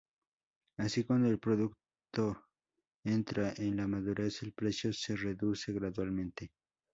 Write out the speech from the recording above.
Así, cuando el producto entra en la madurez, el precio se reduce gradualmente.